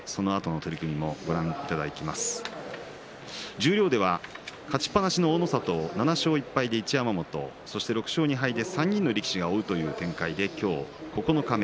十両では勝ちっぱなしの大の里７勝１敗で一山本６勝２敗で３人の力士が追うという展開で、今日九日目。